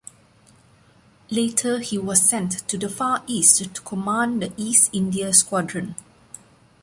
Later he was sent to the Far East to command the East India Squadron.